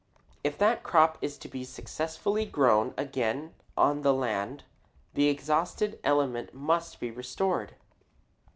If that crop is to be successfully grown again on the land, the exhausted element must be restored.